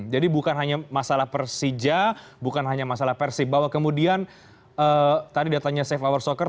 jadi bukan hanya masalah persija bukan hanya masalah persib bahwa kemudian tadi datangnya save our soccer